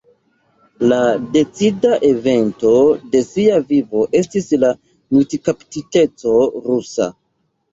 La decida evento de sia vivo estis la militkaptiteco rusa.